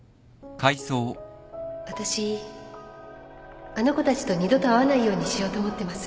私あの子たちと二度と会わないようにしようと思ってます